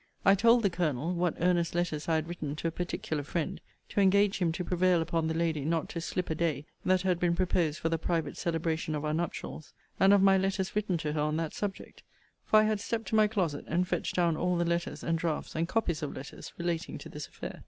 I told the Colonel, 'what earnest letters I had written to a particular friend, to engage him to prevail upon the lady not to slip a day that had been proposed for the private celebration of our nuptials; and of my letters* written to her on that subject;' for I had stepped to my closet, and fetched down all the letters and draughts and copies of letters relating to this affair.